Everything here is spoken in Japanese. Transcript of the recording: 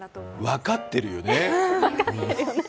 分かってるよね。